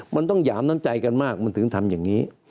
มันต้องหยามน้ำใจกันมากมันถึงทำอย่างนี้